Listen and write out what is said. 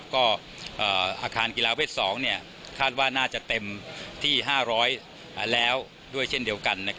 ก็อาคารกีฬาเวท๒คาดว่าน่าจะเต็มที่๕๐๐แล้วด้วยเช่นเดียวกัน